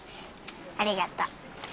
ありがとう。